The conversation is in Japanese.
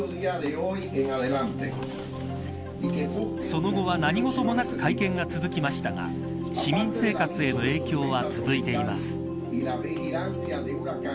その後は、何事もなく会見が続きましたが市民生活への影響は続いています。